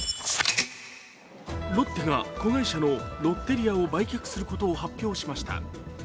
ロッテが子会社のロッテリアを売却することを発表しました。